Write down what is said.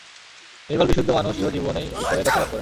নির্মল বিশুদ্ধ মানুষ ইহজীবনেই ঈশ্বরের দর্শনলাভ করেন।